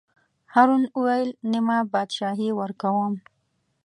هارون وویل: نیمه بادشاهي ورکووم.